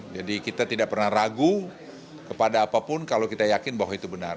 jadi kita tidak pernah ragu kepada apapun kalau kita yakin bahwa itu benar